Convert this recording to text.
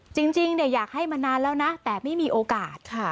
จริงอยากให้มานานแล้วนะแต่ไม่มีโอกาสค่ะ